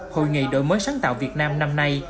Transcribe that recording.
hội nghị đổi mới sáng tạo việt nam năm nay